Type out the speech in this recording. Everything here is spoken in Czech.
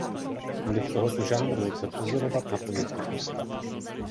Vliv tohoto žánru lze pozorovat na pojetí postav.